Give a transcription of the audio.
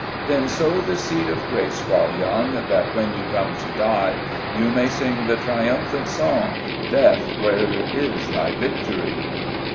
Then sow the seed of grace while young, That when you come to die, You may sing the triumphant song, Death ! where's thy victory